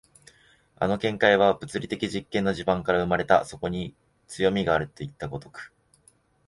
この見解は物理的実験の地盤から生まれた、そこに強味があるといった如く。